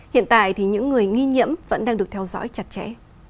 hiện tại thì những người nghi nhiễm vẫn đang được theo dõi chặt chẽ